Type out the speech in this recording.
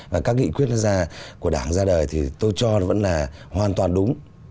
và các nghị quyết của đảng ra đời thì tôi cho vẫn là hoàn toàn đúng